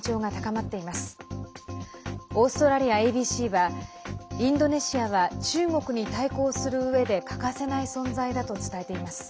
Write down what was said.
ＡＢＣはインドネシアは中国に対抗するうえで欠かせない存在だと伝えています。